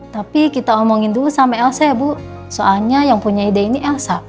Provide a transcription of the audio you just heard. tapi kita omongin dulu sama elsa ya bu soalnya yang punya ide ini elsa